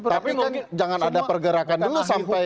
tapi kan jangan ada pergerakan dulu sampai